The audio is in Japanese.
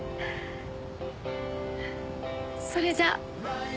それじゃあ。